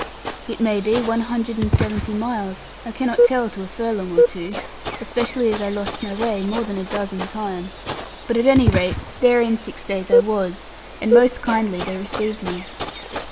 It may be one hundred and seventy miles, I cannot tell to a furlong or two, especially as I lost my way more than a dozen times; but at any rate there in six days I was, and most kindly they received me.